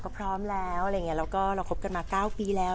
ถึงหน้าอยู่แล้ว